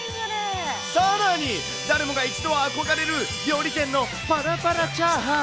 さらに、誰もが一度は憧れる、料理店のパラパラチャーハン。